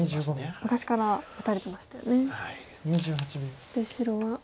そして白は。